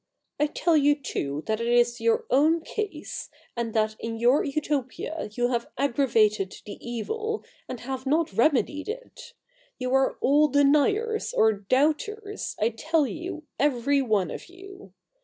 I tell you too that that is your own case, and that in your Utopia you have aggravated the evil, and have not remedied it. You are all deniers or doubters, I tell you, every one of you.